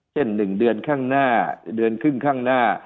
เช่น๑เดือนข้างหน้าเดือนครึ่งข้างหน้า